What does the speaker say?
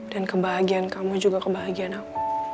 kebahagiaan kamu juga kebahagiaan aku